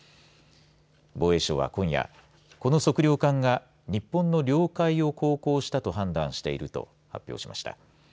防衛省は今夜この測量艦が日本の領海を航行したと判断していると発表しました。